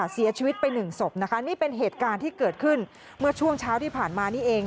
เสียชีวิตไปหนึ่งศพนะคะนี่เป็นเหตุการณ์ที่เกิดขึ้นเมื่อช่วงเช้าที่ผ่านมานี่เอง